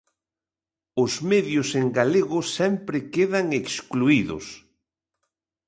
"Os medios en galego sempre quedan excluídos".